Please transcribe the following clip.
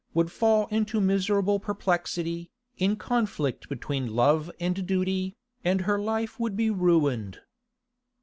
would fall into miserable perplexity, in conflict between love and duty, and her life would be ruined.